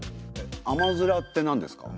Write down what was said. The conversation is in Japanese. あまづらって何ですか？